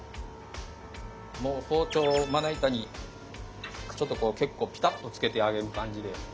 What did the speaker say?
もう包丁をまな板にちょっと結構ピタッとつけてあげる感じで。